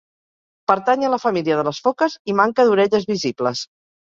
Pertany a la família de les foques i manca d'orelles visibles.